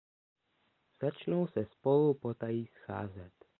Začnou se spolu potají scházet.